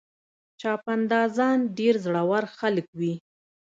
چاپندازان ډېر زړور خلک وي.